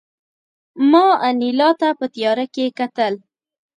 ما انیلا ته په تیاره کې کتل